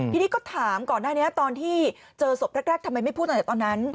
ทีนี้ก็ถามก่อนหน้านี้ตอนที่เจอศพแรกทำไมไม่พูดตั้งแต่ตอนนั้น